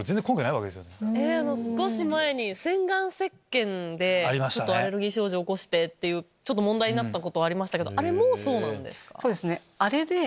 少し前に洗顔せっけんでアレルギー症状起こして問題になったことありましたけどあれもそうなんですか？